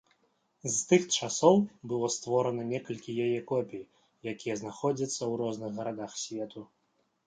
З тых часоў было створана некалькі яе копій, якія знаходзяцца ў розных гарадах свету.